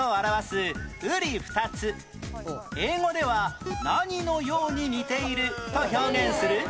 英語では「何のように似ている」と表現する？